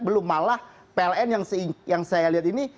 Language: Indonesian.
belum malah pln yang saya lihat ini